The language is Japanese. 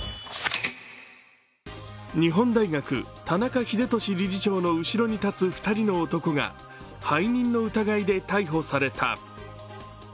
日本大学・田中英壽理事長の後ろに立つ２人の男が背任の疑いで逮捕された。